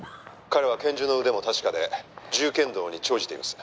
「彼は拳銃の腕も確かで銃剣道に長じています」